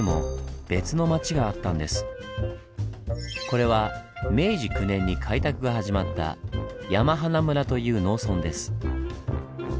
これは明治９年に開拓が始まった山鼻村という農村です。